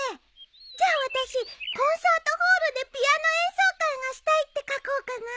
じゃあ私「コンサートホールでピアノ演奏会がしたい」って書こうかな。